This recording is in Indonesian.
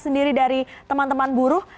sendiri dari teman teman buruh